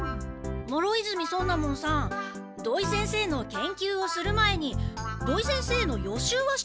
諸泉尊奈門さん土井先生の研究をする前に土井先生の予習はしてきましたか？